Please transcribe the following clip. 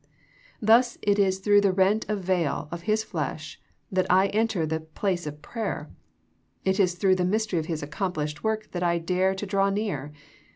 Thus it is through the rent veil of His flesh that I enter the place of prayer. It is through the mystery of His accomplished work that I dare to draw near.